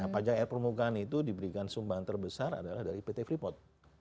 pajak air permukaan itu diberikan sumbangan terbesar adalah dari pt freeport